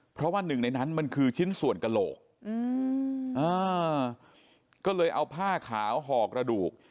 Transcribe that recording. เพราะว่าหนึ่งในนั้นมันคือชิ้นส่วนกระโหลกก็เลยเอาผ้าขาวห่อกระดูก